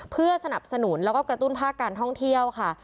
เพื่อสนับสนุนแล้วก็กระตุ้นภาคการท่องเที่ยวค่ะ